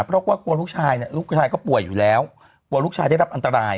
เพราะว่ากลัวลูกชายเนี่ยลูกชายก็ป่วยอยู่แล้วกลัวลูกชายได้รับอันตราย